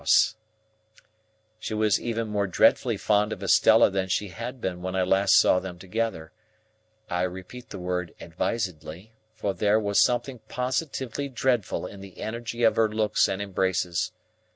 She was even more dreadfully fond of Estella than she had been when I last saw them together; I repeat the word advisedly, for there was something positively dreadful in the energy of her looks and embraces.